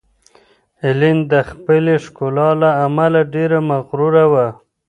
ایلین د خپلې ښکلا له امله ډېره مغروره وه.